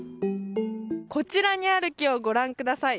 こちらにある木をご覧ください。